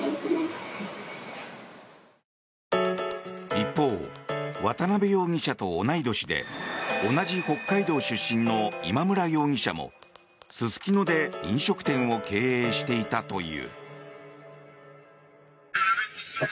一方、渡邉容疑者と同い年で同じ北海道出身の今村容疑者もすすきので飲食店を経営していたという。